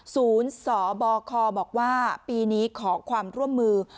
สบคบอกว่าปีนี้ขอความร่วมมือ